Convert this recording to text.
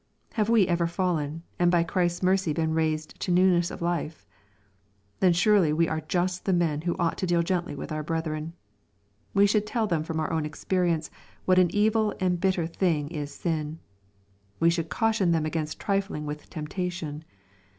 — Have we ever fallen, and by Christ's mercy been raised to newnesfif of life ? Then surely we are just the men who ought to deal gently with our brethren. We should tell them from our own experience what an evil and bit ter thing is sin. We should caution them against trifling with temptation.